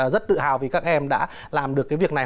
rất tự hào vì các em đã làm được cái việc này